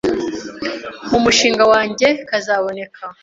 mu mushinga wanjye kazaboneka